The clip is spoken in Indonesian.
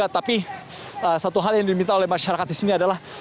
tapi satu hal yang diminta oleh masyarakat di sini adalah